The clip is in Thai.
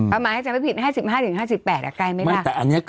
ประมาณให้จำเป็นผิด๕๕๕๘อะใกล้ไม่ได้